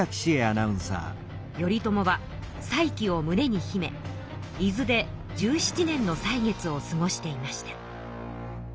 頼朝は再起をむねに秘め伊豆で１７年の歳月を過ごしていました。